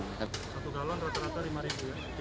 satu galung rata rata lima ribu